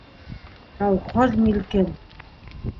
Колхоз милкен!